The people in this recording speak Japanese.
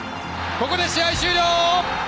ここで試合終了！